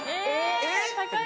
えっ。